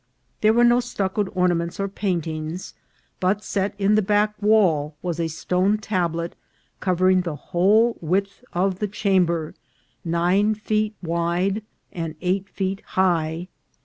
There were no stuccoed ornaments or paintings, but set in the back wall was a stone tablet covering the whole width of the chamber, nine feet wide and eight feet high.